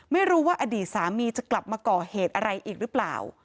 ไม่รู้ว่าอดีตสามีจะกลับมาก่อเหตุอะไรอีกหรือเปล่า